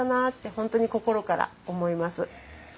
本当に心から思います。